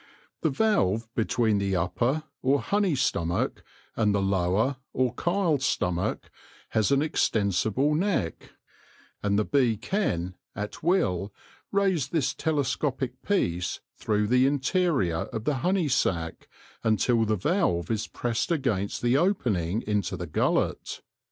The valve between the upper, or honey stomach; and the lower, or chyle stomach, has an extensible neck, and the bee can, at will, raise this telescopic piece through the interior of the honey sac until the valve is pressed against the opening into the gullet.